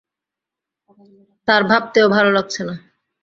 তাঁর ভাবতেও তালো লাগছে না!